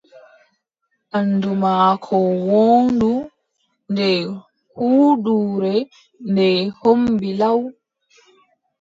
Banndu maako woondu, nde huuduure ndee hommbi law.